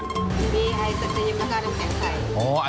คือมีไอศกรีมกับด้านน้ำแข็งใส